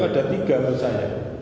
ada tiga menurut saya